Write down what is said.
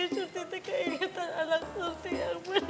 surti teh keingetan anak surti yang meninggal